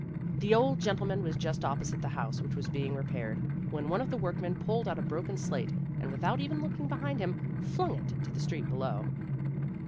The old gentleman was just opposite the house which was being repaired, when one of the workmen pulled out a broken slate and without even looking behind him, flung it to the street below.